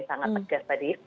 sangat tegas tadi